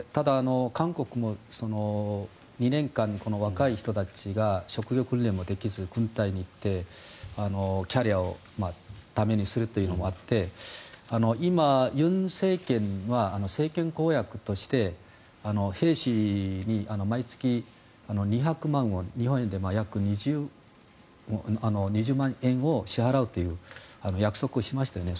韓国も２年間に若い人たちが職業訓練もできず軍隊に行ってキャリアを駄目にするというのがあって今、尹政権は政権公約として兵士に毎月２００万ウォン日本円でおよそ２０万円を支払うという約束をしましたよね。